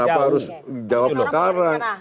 jadi kenapa harus jawab sekarang